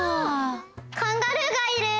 カンガルーがいる！